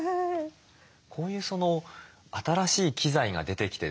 こういう新しい機材が出てきてですね